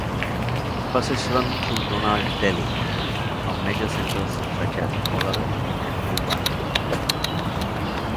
Buses run through Donald daily from major centres such as Ballarat and Melbourne.